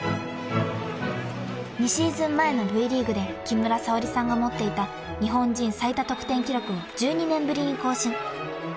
［２シーズン前のＶリーグで木村沙織さんが持っていた日本人最多得点記録を１２年ぶりに更新］